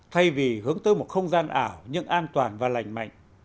thay vì hướng tới một không gian ảo nhưng an toàn và lành mạnh